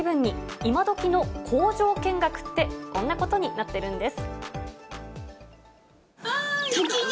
今どきの工場見学って、こんなことになってるんです。